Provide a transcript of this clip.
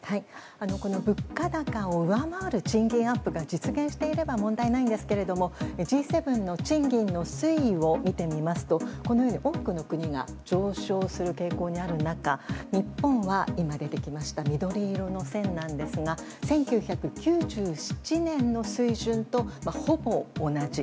物価高を上回る賃金アップが実現していれば問題ないんですけどもＧ７の賃金の推移を見てみますとこのように多くの国が上昇する傾向にある中日本は、緑色の線ですが１９９７年の水準とほぼ同じ。